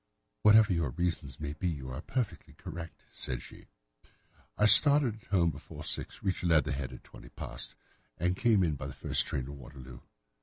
"Whatever your reasons may be, you are perfectly correct," said she. "I started from home before six, reached Leatherhead at twenty past, and came in by the first train to Waterloo.